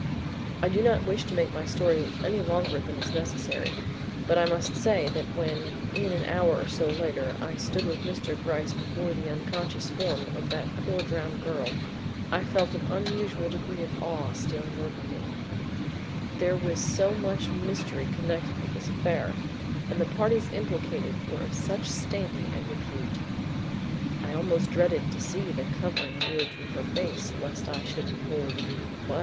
I do not wish to make my story any longer than is necessary, but I must say that when in an hour or so later, I stood with Mr. Gryce before the unconscious form of that poor drowned girl I felt an unusual degree of awe stealing over me: there was so much mystery connected with this affair, and the parties implicated were of such standing and repute. I almost dreaded to see the covering removed from her face lest I should behold, what?